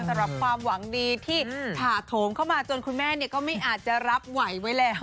สำหรับความหวังดีที่ผ่าโถมเข้ามาจนคุณแม่ก็ไม่อาจจะรับไหวไว้แล้ว